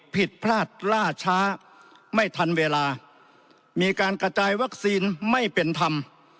ผิดพลาดล่าช้าไม่ทันเวลามีการกระจายวัคซีนไม่เป็นธรรม